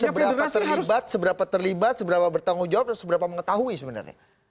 seberapa terlibat seberapa terlibat seberapa bertanggung jawab dan seberapa mengetahui sebenarnya